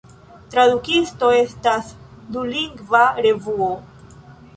La Tradukisto estas dulingva revuo.